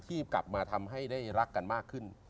กลับมาทำให้ได้รักกันมากขึ้น